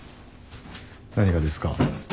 何がですか？